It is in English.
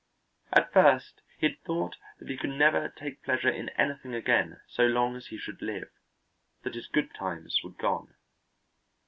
At first he had thought that he never could take pleasure in anything again so long as he should live, that his good times were gone.